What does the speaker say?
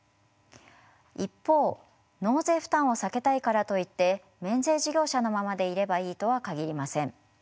一方納税負担を避けたいからといって免税事業者のままでいればいいとは限りません。